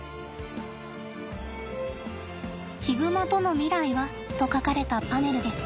「ヒグマとの未来は？」と書かれたパネルです。